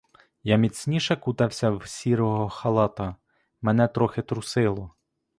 Я міцніше кутався в сірого халата, мене трохи трусило.